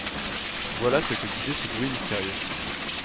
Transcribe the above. Voici ce que disait ce bruit mystérieux :